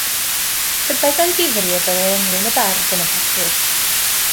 Tybed mewn difrif y byddai englyn y bardd yn y papur.